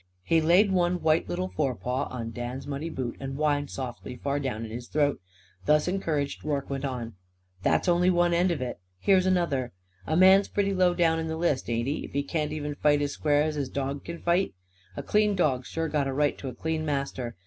He laid one white little forepaw on Dan's muddy boot, and whined softly, far down in his throat. Thus encouraged, Rorke went on: "That's only one end of it. Here's another: A man's pretty low down in the list, ain't he, if he can't even fight as square as his dog c'n fight? A clean dog's sure got a right to a clean master.